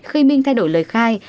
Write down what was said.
khi minh thay đổi lời khai